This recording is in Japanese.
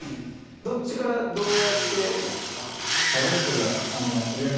どっちからどうやってなんですか？